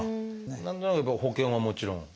何となくやっぱ保険はもちろん。